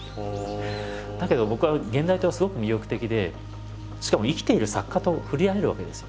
だけど僕は現代刀はすごく魅力的でしかも生きている作家と触れ合えるわけですよ。